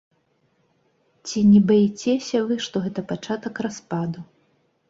Ці не баіцеся вы, што гэта пачатак распаду?